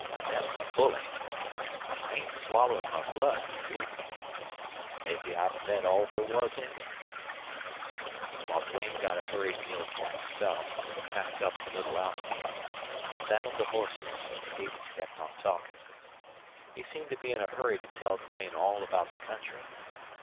thet was bully. I ain't swallowin' my blood this evenin'. Mebbe I've bled all there was in me." While Duane got a hurried meal for himself, packed up the little outfit, and saddled the horses Stevens kept on talking. He seemed to be in a hurry to tell Duane all about the country.